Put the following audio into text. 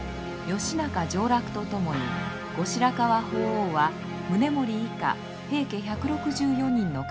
義仲上洛とともに後白河法皇は宗盛以下平家１６４人の官職を解きます。